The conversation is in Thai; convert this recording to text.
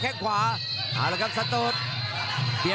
กำปั้นขวาสายวัดระยะไปเรื่อย